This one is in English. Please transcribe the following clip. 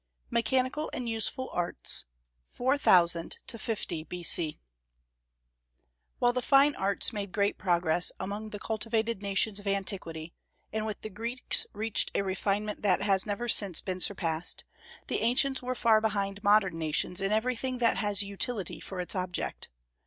MECHANICAL AND USEFUL ARTS. 4000 50 B.C. While the fine arts made great progress among the cultivated nations of antiquity, and with the Greeks reached a refinement that has never since been surpassed, the ancients were far behind modern nations in everything that has utility for its object.